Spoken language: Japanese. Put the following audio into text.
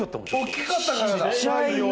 おっきかったからだ！